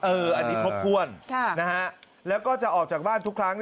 อันนี้ครบถ้วนแล้วก็จะออกจากบ้านทุกครั้ง